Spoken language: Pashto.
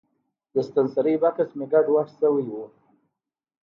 د ستنسرۍ بکس مې ګډوډ شوی و.